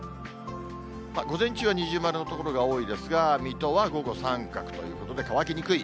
午前中は二重丸の所が多いですが、水戸は午後、三角ということで、乾きにくい。